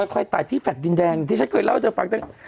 ค่อยตายที่แลตดินแดงที่ฉันเคยเล่าให้เธอฟังตั้ง